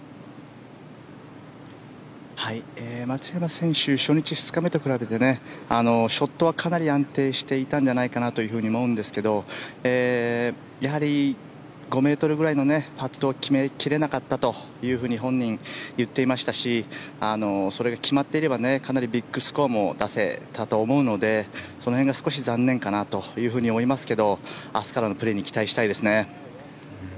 松山選手初日、２日目と比べてショットはかなり安定していたんじゃないかなと思うんですがやはり５ｍぐらいのパットを決め切れなかったというふうに本人、言っていましたしそれが決まっていれば、かなりビッグスコアも出せたと思うのでその辺が少し残念かなと思いますけれど明日からのプレーに期待したいですね。